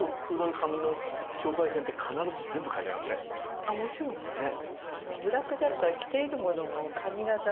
ああもちろんもちろん。